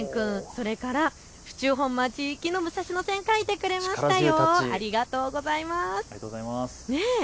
それから府中本町駅の武蔵野線を描いてくれましたよ。